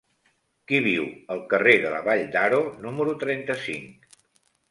Qui viu al carrer de la Vall d'Aro número trenta-cinc?